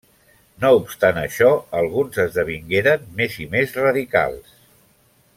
No obstant això, alguns esdevingueren més i més radicals.